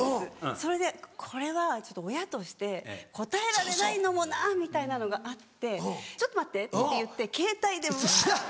それでこれは親として答えられないのもなみたいなのがあって「ちょっと待って」って言ってケータイでうわって。